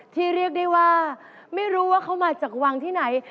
เรียกได้ว่าไม่รู้ว่าเขามาจากวังที่ไหน